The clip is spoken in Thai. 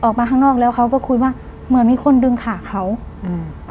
ออกมาข้างนอกแล้วเขาก็คุยว่าเหมือนมีคนดึงขาเขาอืม